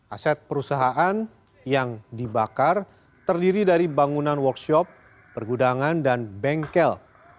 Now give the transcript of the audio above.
aset perusahaan yang dibakar terdiri dari bangunan workshop pergudangan dan bengkel